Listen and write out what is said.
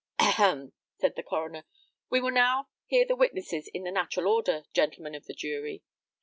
"Ahem!" said the coroner. "We will now hear the witnesses in the natural order, gentlemen of the jury.